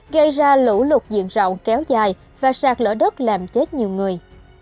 gây ra lũ lụt diện rộng kéo dài và sạt lỡ đất làm chết nhiều người